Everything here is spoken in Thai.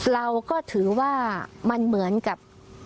เราก็ถือว่ามันเหมือนกับ